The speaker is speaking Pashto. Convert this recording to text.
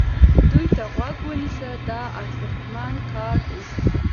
دوی ته غوږ ونیسه دا ارزښتمن کار دی.